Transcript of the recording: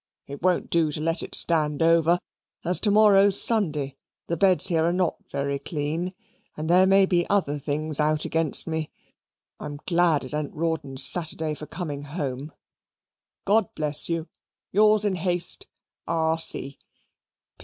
It won't do to let it stand over, as to morrow's Sunday; the beds here are not very CLEAN, and there may be other things out against me I'm glad it an't Rawdon's Saturday for coming home. God bless you. Yours in haste, R.